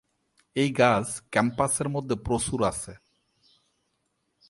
এই গাছ ক্যাম্পাসের মধ্যে প্রচুর আছে।